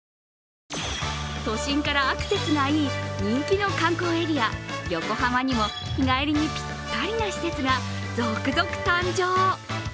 都心からアクセスがいい人気の観光エリア、横浜にも日帰りにぴったりな施設が続々誕生。